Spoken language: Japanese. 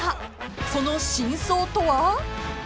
［その真相とは？］